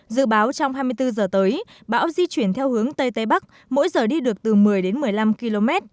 dự báo trong hai mươi bốn giờ tới bão di chuyển theo hướng tây tây bắc mỗi giờ đi được từ một mươi đến một mươi năm km